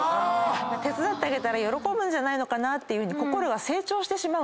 手伝ってあげたら喜ぶんじゃないのかなって心が成長してしまうんですね。